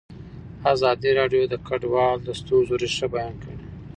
ازادي راډیو د کډوال د ستونزو رېښه بیان کړې.